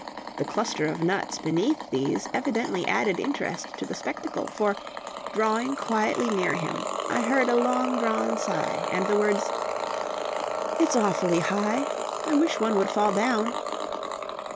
The cluster of nuts beneath these evidently added interest to the spectacle, for, drawing quietly near him, I heard a long drawn sigh, and the words: "It's awfully high! I wish one would fall down!"